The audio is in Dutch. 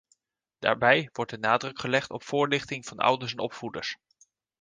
Daarbij wordt de nadruk gelegd op voorlichting van ouders en opvoeders.